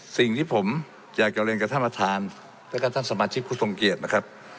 สิ่งที่ผมอยากจะเรียนกับท่านประธานแล้วก็ท่านสมาชิกผู้ทรงเกียจนะครับ